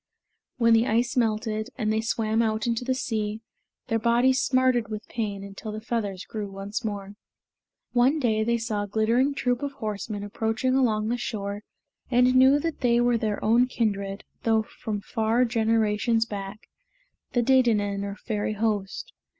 When the ice melted, and they swam out into the sea, their bodies smarted with pain until the feathers grew once more. One day they saw a glittering troop of horsemen approaching along the shore and knew that they were their own kindred, though from far generations back, the Dedannen or Fairy Host.